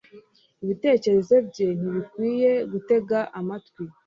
Ibitekerezo bye ntibikwiye gutega amatwi